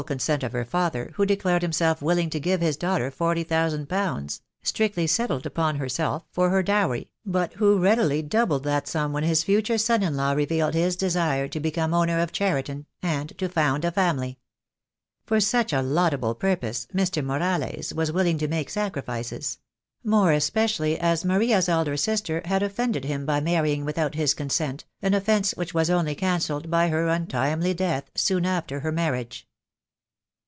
consent of her father, who declared himself willing to give his daughter forty thousand pounds, strictly settled upon herself, for her dowry, but who readily doubled that sum when his future son in law revealed his desire to become owner of Cheriton, and to found a family. For such a laudable purpose Mr. Morales was willing to make sacrifices; more especially as Maria's elder sister had offended him by marrying without his consent, an offence which was only cancelled by her untimely death soon after her marriage.